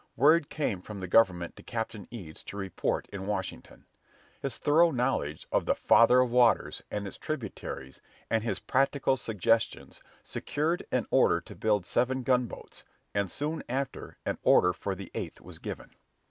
Word came from the government to Captain Eads to report in Washington. His thorough knowledge of the "Father of Waters" and its tributaries, and his practical suggestions, secured an order to build seven gunboats, and soon after an order for the eighth was given.